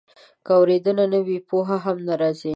که اورېدنه نه وي، پوهه هم نه راځي.